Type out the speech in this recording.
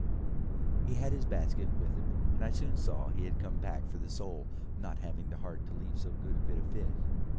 He had his basket with him, and I soon saw he had come back for the sole, not having the heart to leave so good a bit of fish.